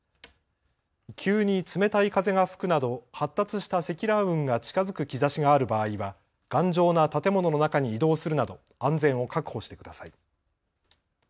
急に冷たい風が吹くなど発達した積乱雲が近づく兆しがある場合は頑丈な建物の中に移動するなど安全を確保してください。